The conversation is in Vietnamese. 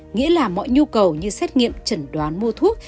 nghĩa là mọi nhu cầu như xét nghiệm chẩn đoán mua thuốc